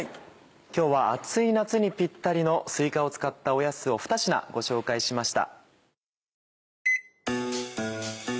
今日は暑い夏にピッタリのすいかを使ったおやつをふた品ご紹介しました。